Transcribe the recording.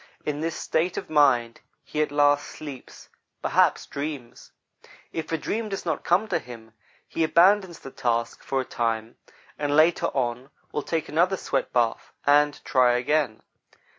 In this state of mind, he at last sleeps, perhaps dreams. If a dream does not come to him, he abandons the task for a time, and later on will take another sweatbath and try again.